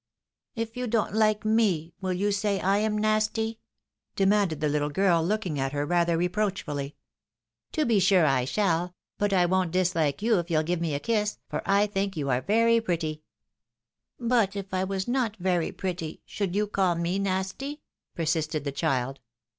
" If you don't hke me, will you say I am nasty ?" demanded the little girl, looking at her rather reproachfully. "To be sure I shall ; but I won't dishke you if you'll give me a kiss, for I think you are very pretty. " But if I was not very pretty, should you call me nasty ?" persisted the child.